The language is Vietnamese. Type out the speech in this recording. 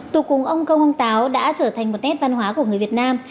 tục cùng ông công ông táo đã trở thành một nét văn hóa của người việt nam